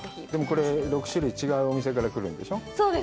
これ、６種類違うお店から来るんでしょう？